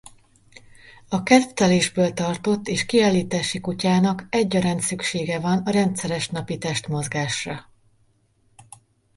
A kedvtelésből tartott és kiállítási kutyának egyaránt szüksége van a rendszeres napi testmozgásra.